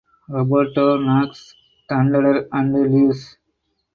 Roberto knocks Thunderer and leaves.